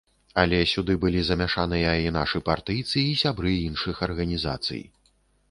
Але сюды былі замяшаныя і нашы партыйцы, і сябры іншых арганізацый.